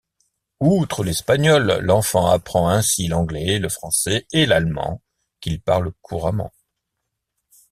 Outre l'espagnol, l'enfant apprend ainsi l'anglais, le français et l'allemand, qu'il parle couramment.